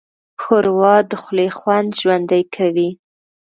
ښوروا د خولې خوند ژوندی کوي.